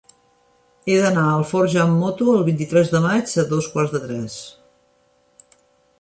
He d'anar a Alforja amb moto el vint-i-tres de maig a dos quarts de tres.